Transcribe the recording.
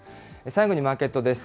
最後にマーケットです。